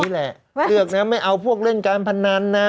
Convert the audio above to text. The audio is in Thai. เลือกนะไม่เอาพวกเล่นการพนันนะ